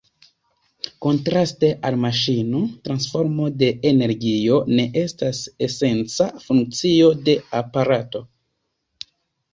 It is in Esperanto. Kontraste al maŝino transformo de energio ne estas esenca funkcio de aparato.